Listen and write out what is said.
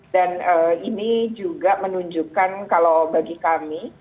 dan ini juga menunjukkan kalau bagi kami